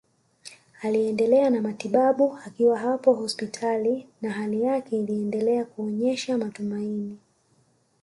Aliendelea na matibabu akiwa hapo hospitali na hali yake iliendelea kuonesha matumaini